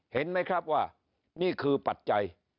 เห็นไหมครับว่านี่คือปัจจัย